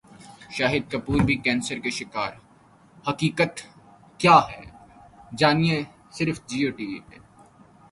شاہد کپور بھی کینسر کے شکار حقیقت کیا ہے